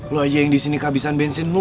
lo aja yang disini kehabisan bensin